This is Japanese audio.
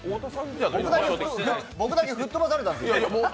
僕だけ吹っ飛ばされたんです。